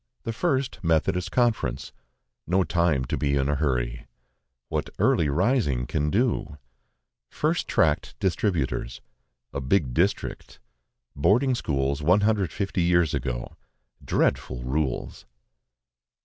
The first Methodist Conference. No time to be in a hurry. What early rising can do. First tract distributors. A big district. Boarding schools 150 years ago. Dreadful rules.